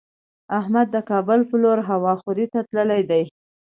احمد د کابل په لور هوا خورۍ ته تللی دی.